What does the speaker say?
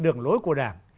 đường lối của đảng